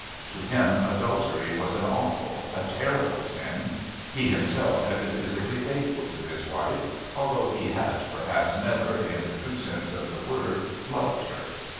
To him adultery was an awful, a terrible sin. He himself had been physically faithful to his wife, although he had perhaps never, in the true sense of the word, loved her.